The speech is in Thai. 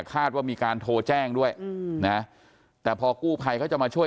คาดว่ามีการโทรแจ้งด้วยนะแต่พอกู้ภัยเขาจะมาช่วย